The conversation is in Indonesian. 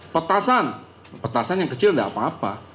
petasan petasan yang kecil tidak apa apa